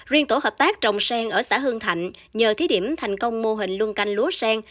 riêng tổ hợp tác trồng sen ở xã hương thạnh nhờ thí điểm thành công mô hình luôn canh lúa sen